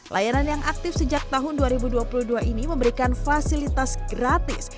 layanan yang aktif sejak tahun dua ribu dua puluh dua ini memberikan fasilitas gratis